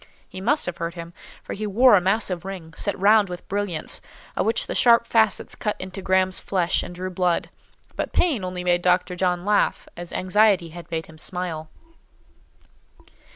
He must have hurt him; for he wore a massive ring, set round with brilliants, of which the sharp facets cut into Graham's flesh and drew blood: but pain only made Dr. John laugh, as anxiety had made him smile.